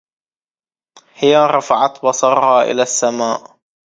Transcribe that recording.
هي رفعت بصرها إلى السماء.